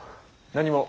何も。